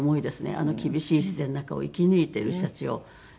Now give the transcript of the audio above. あの厳しい自然の中を生き抜いている人たちを。